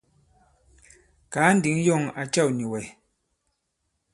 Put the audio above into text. Kàa ǹdǐŋ yɔ̂ŋ à cɛ̂w nì wɛ̀.